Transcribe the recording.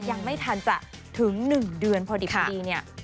ยังไม่ทันจะถึง๑เดือนพอดิบพอดีเนี่ย